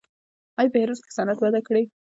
آیا په هرات کې صنعت وده کړې؟